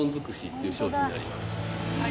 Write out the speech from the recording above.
っていう商品になります。